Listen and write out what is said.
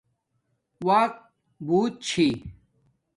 وقت بوت چھی